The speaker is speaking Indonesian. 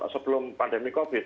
sebelum pandemi covid